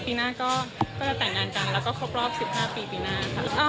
ปีหน้าก็จะแต่งงานกันแล้วก็ครบรอบ๑๕ปีปีหน้าค่ะ